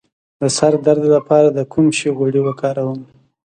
د سر درد لپاره د کوم شي غوړي وکاروم؟